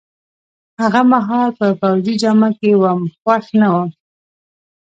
هغه مهال په پوځي جامه کي وم، خوښ نه وم.